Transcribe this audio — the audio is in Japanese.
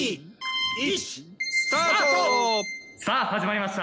さあ始まりました。